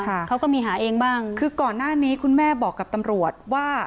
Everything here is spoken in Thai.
เขาก็มีหาเองบ้างคือก่อนหน้านี้คุณแม่บอกกับตำรวจว่า